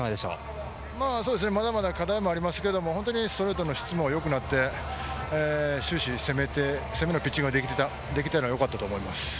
まだまだ課題もありますけどストレートの質も良くなって、終始攻めのピッチングができたのがよかったと思います。